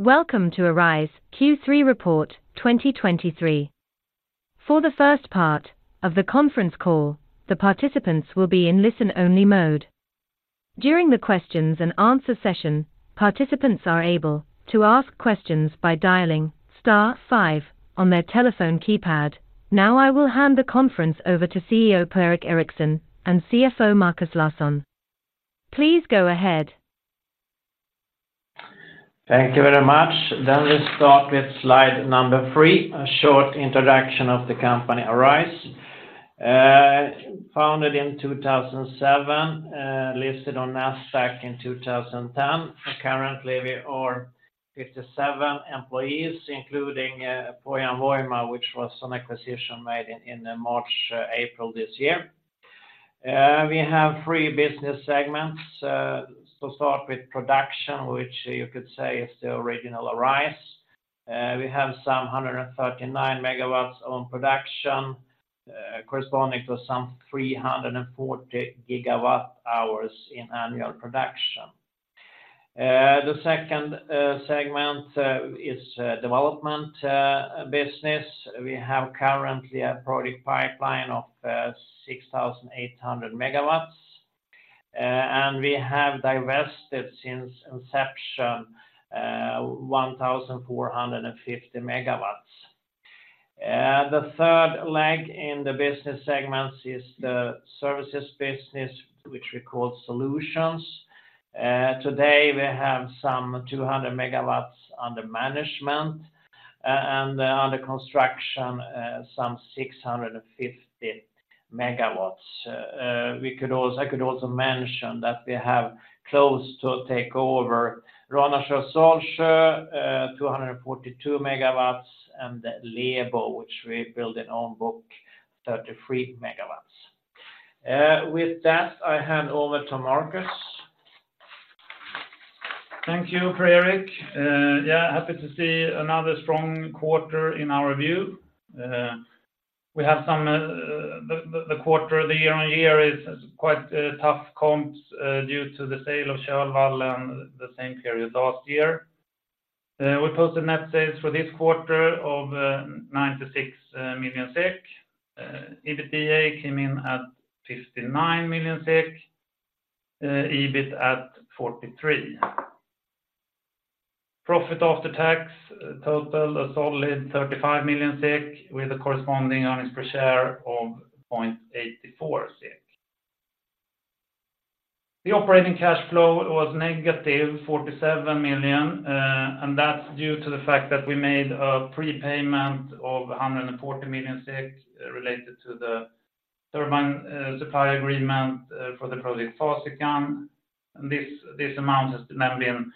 Welcome to Arise Q3 report 2023. For the first part of the conference call, the participants will be in listen-only mode. During the questions and answer session, participants are able to ask questions by dialing star five on their telephone keypad. Now, I will hand the conference over to CEO Per-Erik Eriksson and CFO Markus Larsson. Please go ahead. Thank you very much. Then let's start with slide number three, a short introduction of the company, Arise. Founded in 2007, listed on Nasdaq in 2010, and currently, we are 57 employees, including Pohjan Voima, which was an acquisition made in March, April this year. We have three business segments, so start with production, which you could say is the original Arise. We have some 139 MW on production, corresponding to some 340 GWh in annual production. The second segment is development business. We have currently a project pipeline of 6,800 MW, and we have divested since inception 1,450 MW. The third leg in the business segments is the services business, which we call solutions. Today, we have some 200 MW under management, and under construction, some 650 MW. We could also mention that we have close to take over Ranasjö-Salsjöhöjden, 242 MW, and the Lebö, which we build in own book, 33 MW. With that, I hand over to Markus. Thank you, Per-Erik. Yeah, happy to see another strong quarter in our review. The quarter year-on-year is quite tough comps due to the sale of Kölvallen the same period last year. We posted net sales for this quarter of 96 million SEK. EBITDA came in at 59 million SEK, EBIT at 43 million. Profit after tax totaled a solid 35 million SEK, with a corresponding earnings per share of 0.84 SEK. The operating cash flow was -47 million, and that's due to the fact that we made a prepayment of 140 million related to the turbine supply agreement for the Project Fasikan. And this amount has now been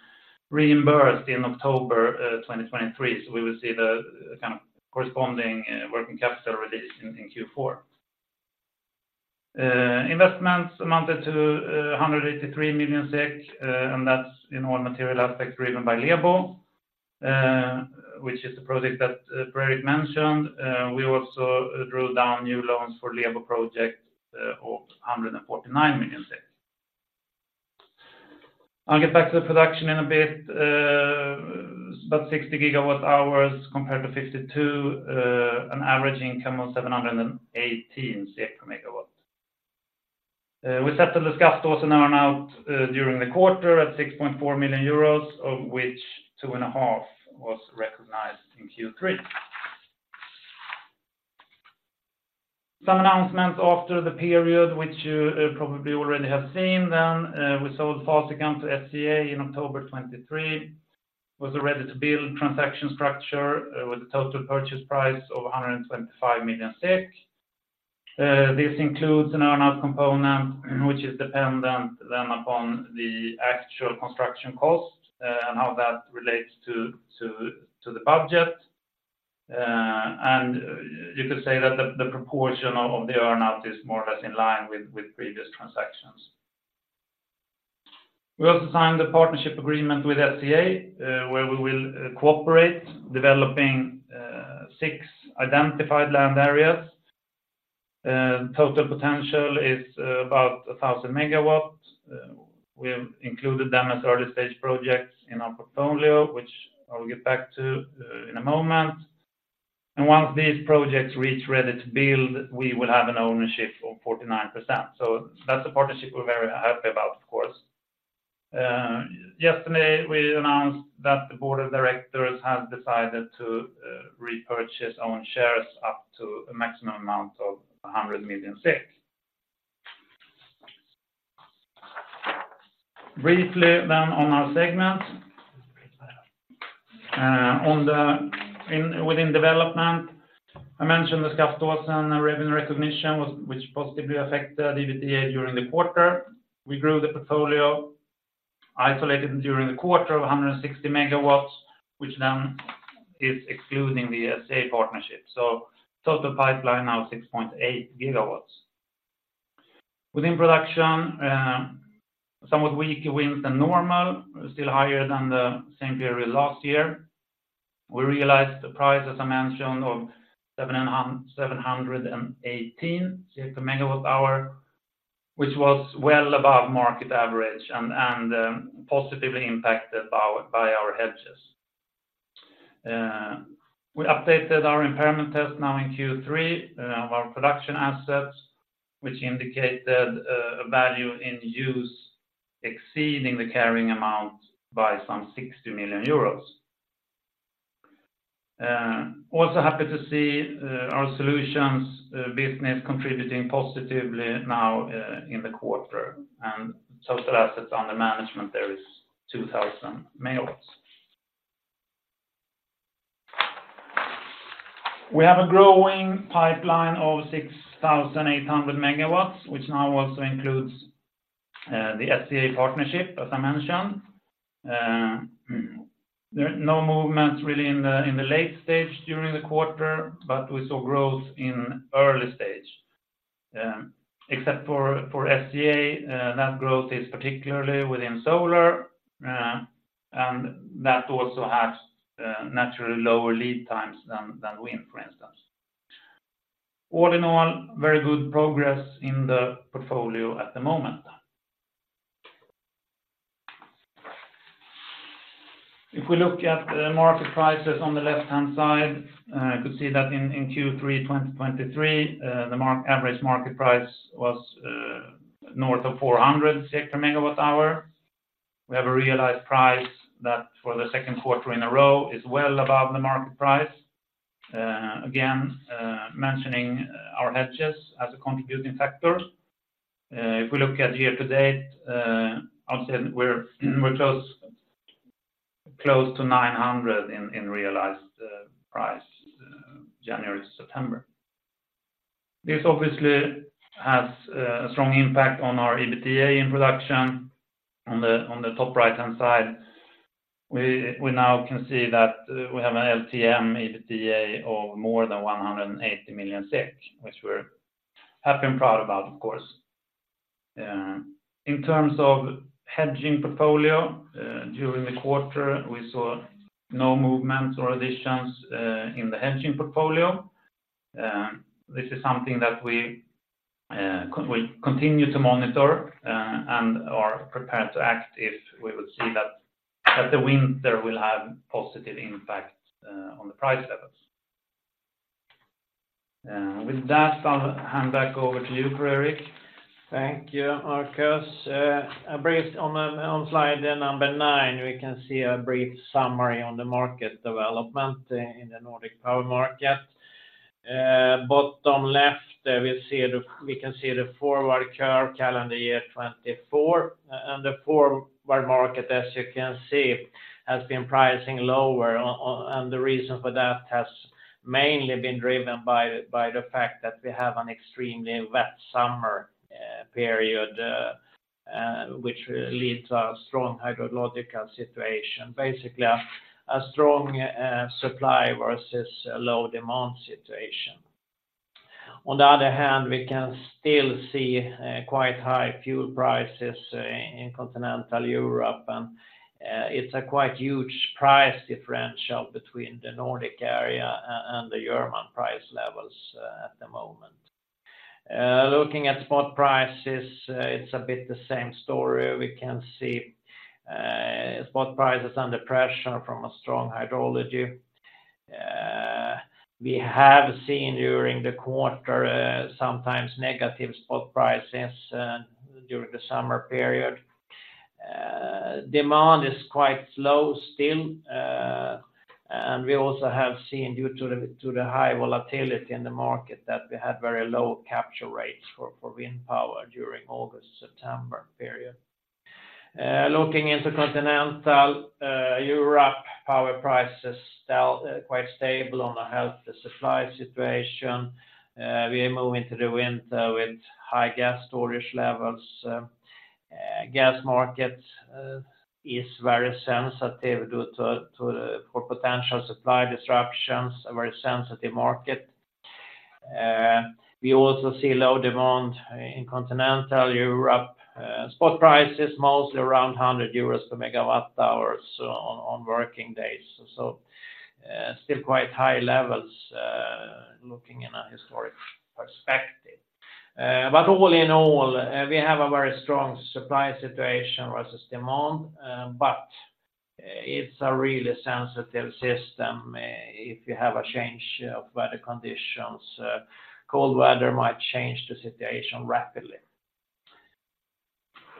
reimbursed in October 2023, so we will see the kind of corresponding working capital release in Q4. Investments amounted to 183 million SEK, and that's in all material aspects driven by Lebö, which is the project that Per-Erik mentioned. We also drew down new loans for Lebö project of 149 million. I'll get back to the production in a bit, about 60 GWh compared to 52, an average income of 718 per MW. We set the Skaftåsen now during the quarter at 6.4 million euros, of which 2.5 was recognized in Q3. Some announcements after the period, which you probably already have seen then, we sold Fasikan to SCA in October 2023, was a ready-to-build transaction structure, with a total purchase price of 125 million SEK. This includes an earn-out component, which is dependent then upon the actual construction cost, and how that relates to the budget. And you could say that the proportion of the earn-out is more or less in line with previous transactions. We also signed a partnership agreement with SCA, where we will cooperate, developing six identified land areas. Total potential is about 1,000 MW. We've included them as early-stage projects in our portfolio, which I'll get back to in a moment. Once these projects reach ready to build, we will have an ownership of 49%. So that's a partnership we're very happy about, of course. Yesterday, we announced that the board of directors have decided to repurchase own shares up to a maximum amount of 100 million. Briefly, then, on our segment within development, I mentioned the Skaftåsen and revenue recognition, which positively affected the EBITDA during the quarter. We grew the portfolio, isolated during the quarter of 160 MW, which then is excluding the SCA partnership. So total pipeline now 6.8 GW. Within production, somewhat weak winds than normal, still higher than the same period last year. We realized the price, as I mentioned, of 718 per MWh, which was well above market average and positively impacted by our hedges. We updated our impairment test now in Q3, our production assets, which indicated a value in use exceeding the carrying amount by some 60 million euros. Also happy to see our solutions business contributing positively now in the quarter, and total assets under management there is 2,000 MW. We have a growing pipeline of 6,800 MW, which now also includes the SCA partnership, as I mentioned. There are no movements really in the late stage during the quarter, but we saw growth in early stage. Except for SCA, that growth is particularly within solar, and that also has naturally lower lead times than wind, for instance. All in all, very good progress in the portfolio at the moment. If we look at the market prices on the left-hand side, you could see that in Q3 2023, the average market price was north of 400 per MWh. We have a realized price that for the second quarter in a row is well above the market price. Again, mentioning our hedges as a contributing factor. If we look at year-to-date, obviously, we're close to 900 in realized price, January to September. This obviously has a strong impact on our EBITDA in production. On the top right-hand side, we now can see that we have an LTM EBITDA of more than 180 million SEK, which we're happy and proud about, of course. In terms of hedging portfolio, during the quarter, we saw no movements or additions in the hedging portfolio. This is something that we continue to monitor and are prepared to act if we would see that the winter will have positive impact on the price levels. With that, I'll hand back over to you, Per-Erik. Thank you, Markus. I believe on slide number 9, we can see a brief summary on the market development in the Nordic power market. But on the left, we can see the forward curve calendar year 2024, and the forward market, as you can see, has been pricing lower, and the reason for that has mainly been driven by the fact that we have an extremely wet summer period, which will lead to a strong hydrological situation. Basically, a strong supply versus a low demand situation. On the other hand, we can still see quite high fuel prices in continental Europe, and it's a quite huge price differential between the Nordic area and the German price levels at the moment. Looking at spot prices, it's a bit the same story. We can see spot prices under pressure from a strong hydrology. We have seen during the quarter sometimes negative spot prices during the summer period. Demand is quite low still, and we also have seen, due to the high volatility in the market, that we had very low capture rates for wind power during August and September period. Looking into continental Europe, power prices still quite stable on a healthy supply situation. We are moving to the winter with high gas storage levels. Gas markets is very sensitive due to for potential supply disruptions, a very sensitive market. We also see low demand in continental Europe. Spot price is mostly around 100 euros per MWh on working days. So, still quite high levels, looking in a historic perspective. But all in all, we have a very strong supply situation versus demand, but it's a really sensitive system. If you have a change of weather conditions, cold weather might change the situation rapidly.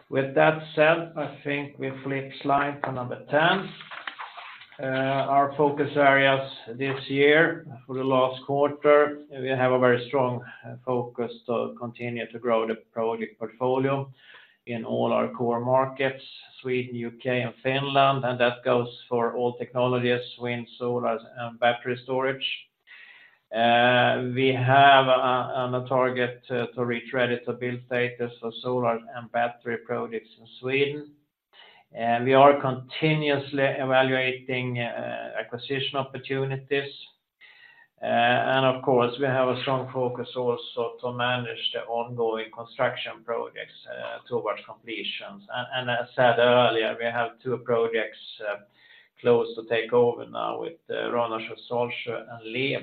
With that said, I think we flip slide to number 10. Our focus areas this year for the last quarter, we have a very strong focus to continue to grow the project portfolio in all our core markets, Sweden, U.K., and Finland, and that goes for all technologies, wind, solar, and battery storage. We have a target to reach credibility status for solar and battery projects in Sweden, and we are continuously evaluating acquisition opportunities. Of course, we have a strong focus also to manage the ongoing construction projects towards completions. As said earlier, we have two projects close to take over now with Ranasjö, Salsjöhöjden, and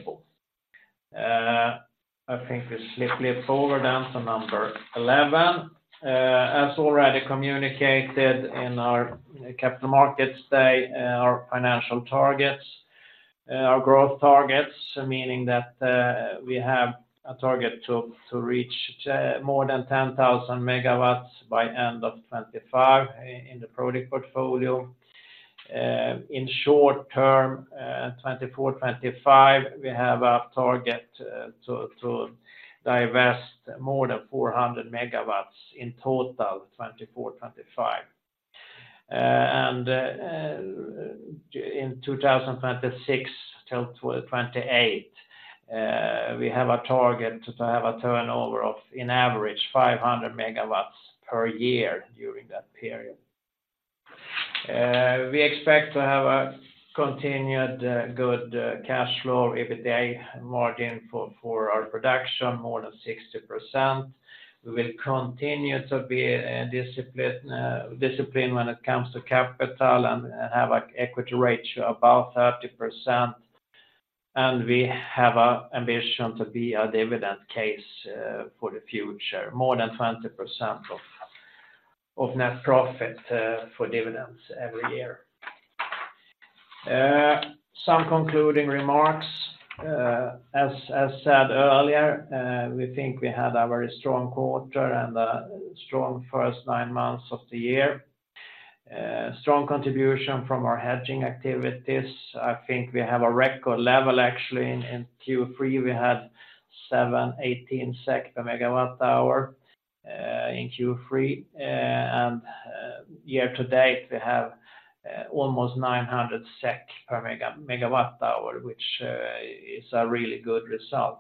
Lebö. I think we slip forward down to number 11. As already communicated in our Capital Markets Day and our financial targets, and our growth targets, meaning that we have a target to reach more than 10,000 MW by end of 2025 in the project portfolio. In short term, 2024-2025, we have a target to divest more than 400 MW in total, 2024-2025. In 2026 until 2028, we have a target to have a turnover of, in average, 500 MW per year during that period. We expect to have a continued good cash flow, EBITDA margin for our production, more than 60%. We will continue to be disciplined when it comes to capital and have an equity rate to about 30%. And we have an ambition to be a dividend case for the future, more than 20% of net profit for dividends every year. Some concluding remarks, as said earlier, we think we had a very strong quarter and a strong first nine months of the year. Strong contribution from our hedging activities. I think we have a record level, actually, in Q3, we had 718 SEK per MWh in Q3. And year-to-date, we have almost 900 SEK per MWh, which is a really good result.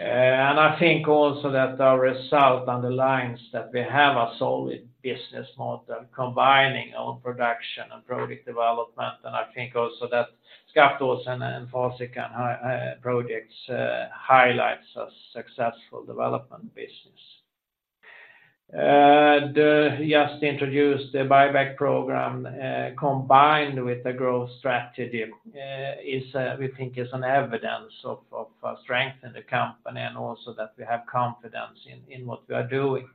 And I think also that our result underlines that we have a solid business model, combining own production and project development. And I think also that Skaftåsen and Fasikan projects highlights a successful development business. We just introduced buyback program, combined with the growth strategy, is we think is an evidence of strength in the company, and also that we have confidence in what we are doing.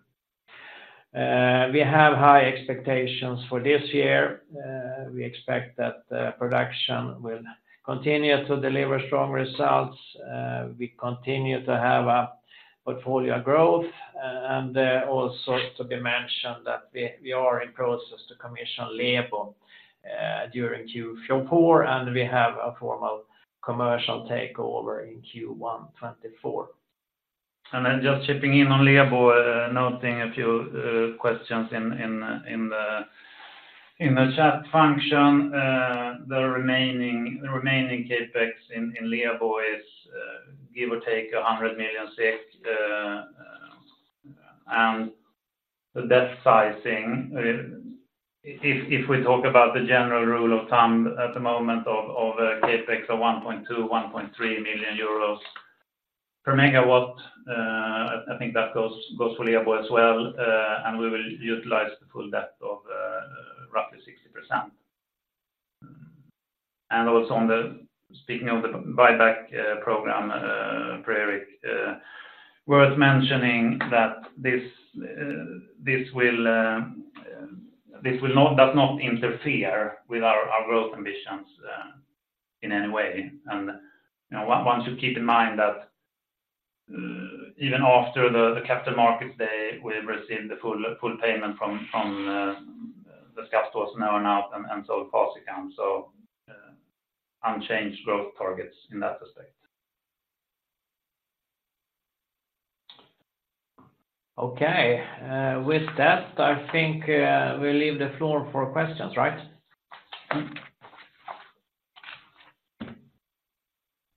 We have high expectations for this year. We expect that production will continue to deliver strong results. We continue to have a portfolio growth, and also to be mentioned that we are in process to commission Lebö during Q4, and we have a formal commercial takeover in Q1 2024. Then just chipping in on Lebö, noting a few questions in the chat function. The remaining CapEx in Lebö is, give or take, 100 million, and the debt sizing, if we talk about the general rule of thumb at the moment of CapEx of 1.2 million to 1.3 million per MW, I think that goes for Lebö as well, and we will utilize the full debt of roughly 60%. Speaking of the buyback program, Per-Erik, worth mentioning that this does not interfere with our growth ambitions in any way. And, you know, one should keep in mind that, even after the Capital Markets Day, we've received the full payment from the Skaftåsen now and so Fasikan. So, unchanged growth targets in that aspect. Okay, with that, I think, we'll leave the floor for questions, right?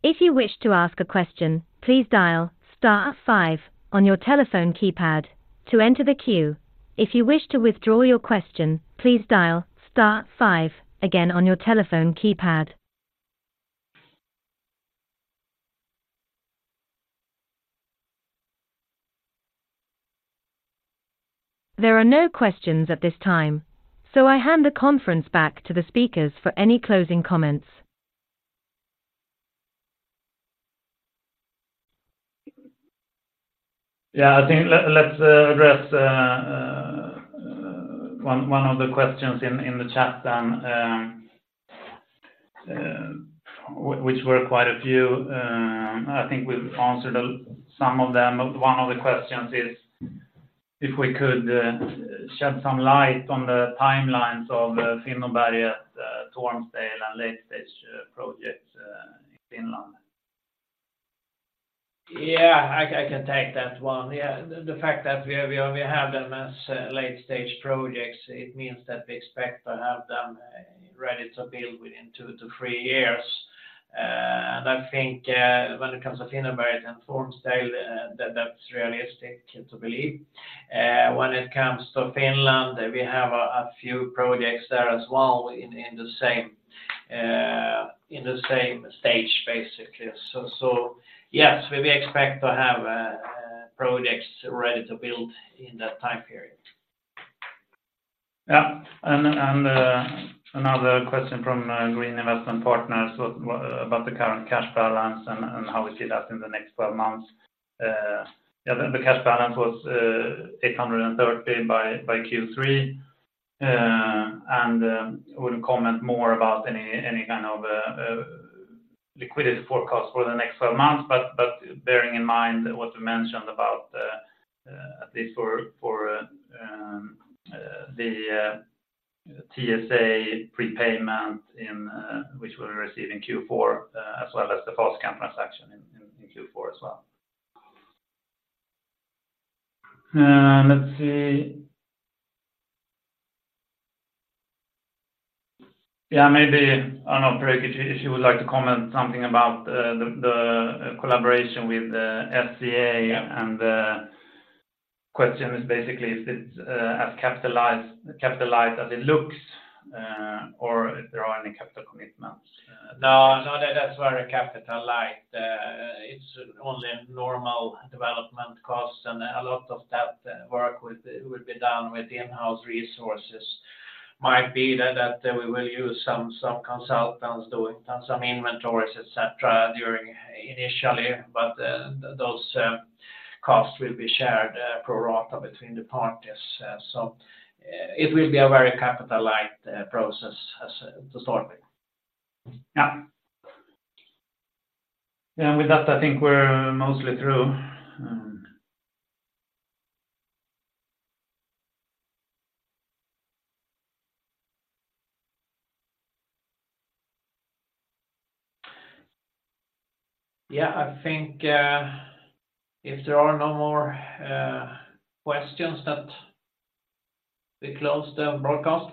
If you wish to ask a question, please dial star five on your telephone keypad to enter the queue. If you wish to withdraw your question, please dial star five again on your telephone keypad. There are no questions at this time, so I hand the conference back to the speakers for any closing comments. Yeah, I think let's address one of the questions in the chat then, which were quite a few. I think we've answered some of them. One of the questions is, "If we could shed some light on the timelines of Finnåberg, Tormsdale, and late stage projects in Finland? Yeah, I can take that one. Yeah, the fact that we have them as late-stage projects, it means that we expect to have them ready to build within two to three years. And I think, when it comes to Finnåberg and Tormsdale, that's realistic to believe. When it comes to Finland, we have a few projects there as well in the same stage, basically. So yes, we expect to have projects ready to build in that time period. Yeah, another question from Green Investment Partners about the current cash balance and how we see that in the next 12 months. Yeah, the cash balance was 830 by Q3. And I wouldn't comment more about any kind of liquidity forecast for the next 12 months, but bearing in mind what you mentioned about at least the TSA prepayment which we'll receive in Q4, as well as the Fasikan transaction in Q4 as well. Let's see. Yeah, maybe, I don't know, Per-Erik if you would like to comment something about the collaboration with SCA question is basically, is it as capitalized as it looks, or if there are any capital commitments? No, no, that, that's very capital light. It's only normal development costs, and a lot of that work will be done with in-house resources. It might be that we will use some consultants doing some inventories, et cetera, during initially, but those costs will be shared pro rata between the parties. So, it will be a very capital light process as to start with. Yeah. Yeah, with that, I think we're mostly through. Yeah, I think, if there are no more questions that we close the broadcast.